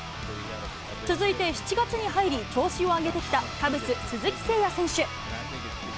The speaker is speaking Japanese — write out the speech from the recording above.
続いて、７月に入り調子を上げてきたカブス、鈴木誠也選手。